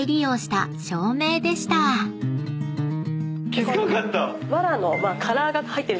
気付かんかった。